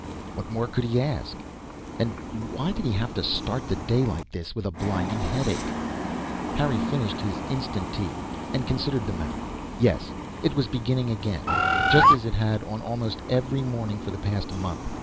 What more could he ask? And why did he have to start the day like this, with a blinding headache? Harry finished his Instantea and considered the matter. Yes, it was beginning again, just as it had on almost every morning for the past month.